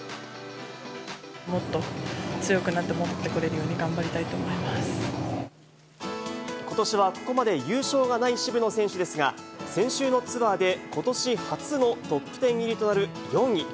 もっと強くなって、戻ってこことしはここまで優勝がない渋野選手ですが、先週のツアーでことし初のトップ１０入りとなる４位。